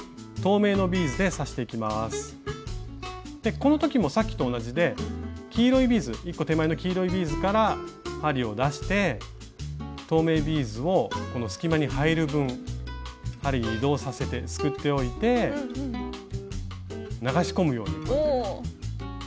この時もさっきと同じで１個手前の黄色いビーズから針を出して透明ビーズをこの隙間に入る分針に移動させてすくっておいて流し込むように押し込んでみます。